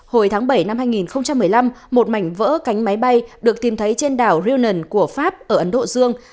hồi tháng bảy năm hai nghìn một mươi năm một mảnh vỡ cánh máy bay được tìm thấy trên đảo reunan của pháp ở ấn độ dương